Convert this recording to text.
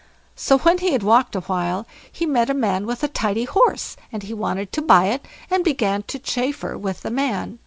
So, when he had walked a while, he met a man with a tidy horse, and he wanted to buy it, and began to chaffer with the man.